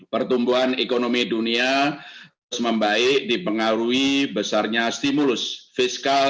pertumbuhan ekonomi dunia terus membaik dipengaruhi besarnya stimulus fiskal